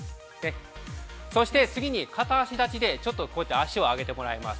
そして、次に、片足立ちで、ちょっと足を上げてもらいます。